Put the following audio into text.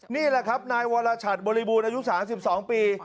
นี่แหละครับนายวรชัดบริบูรณ์อายุ๓๒ปี